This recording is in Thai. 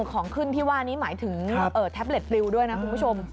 ของขึ้นที่ว่านี้หมายถึงแท็บเล็ตปลิวด้วยนะคุณผู้ชม